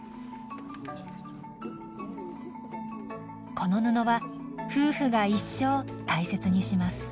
この布は夫婦が一生大切にします。